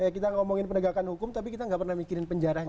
kita ngomongin penegakan hukum tapi kita nggak pernah mikirin penjaranya